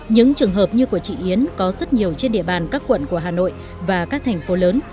những trường hợp như của chị yến có rất nhiều trên địa bàn các quận của hà nội và các thành phố lớn